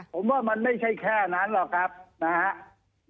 ผมว่ามันไม่ใช่แค่นั้นหรอกครับนะครับ